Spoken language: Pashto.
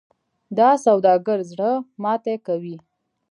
دا سوداګر زړه ماتې کوي.